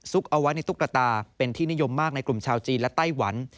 เอาไว้ในตุ๊กตาเป็นที่นิยมมากในกลุ่มชาวจีนและไต้หวัน